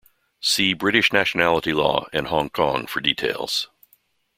See British nationality law and Hong Kong for details.